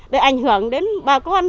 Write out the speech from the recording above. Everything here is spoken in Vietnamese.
để ảnh hưởng đến bà con